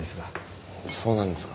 そうなんですか。